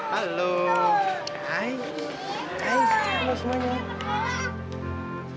halo hai hai semua semuanya